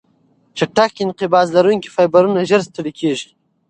چټک انقباض لرونکي فایبرونه ژر ستړې کېږي.